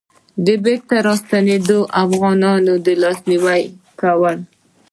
د بېرته راستنېدونکو افغانانو لاسنيوی کول.